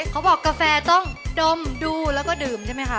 กาแฟต้องดมดูแล้วก็ดื่มใช่ไหมคะ